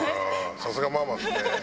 さすがママですね。